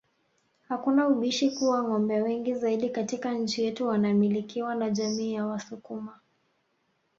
Hakuna ubishi kuwa ngombe wengi zaidi katika nchi yetu wanamilikiwa na jamii ya wasukuma